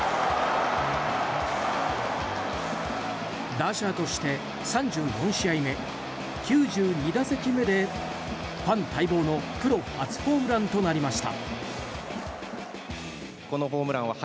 打者として３４試合目、９２打席目でファン待望のプロ初ホームランとなりました。